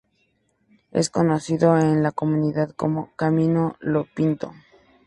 Es conocido en la comunidad como "Camino Lo Pinto".